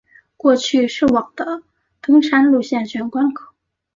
过去是往的登山路线玄关口。